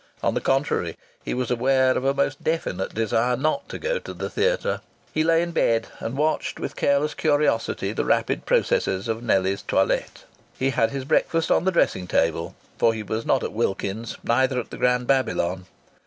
On the contrary, he was aware of a most definite desire not to go to the theatre. He lay in bed and watched with careless curiosity the rapid processes of Nellie's toilette. He had his breakfast on the dressing table (for he was not at Wilkins's, neither at the Grand Babylon).